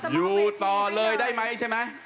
อยู่ต่อเลยได้ไหมใช่ไหม